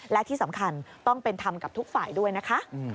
และที่สำคัญต้องเป็นธรรมกับทุกฝ่ายด้วยนะคะ